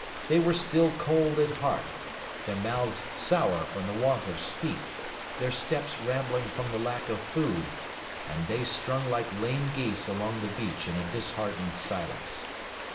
They were still cold at heart, their mouths sour from the want of steep, their steps rambling from the lack of food; and they strung like lame geese along the beach in a disheartened silence.